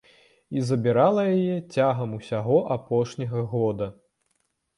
І забірала яе цягам усяго апошняга года.